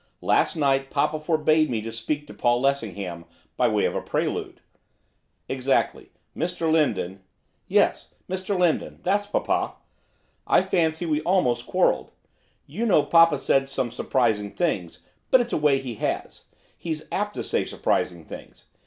Last night papa forbade me to speak to Paul Lessingham by way of a prelude.' 'Exactly. Mr Lindon ' 'Yes, Mr Lindon, that's papa. I fancy we almost quarrelled. I know papa said some surprising things, but it's a way he has, he's apt to say surprising things.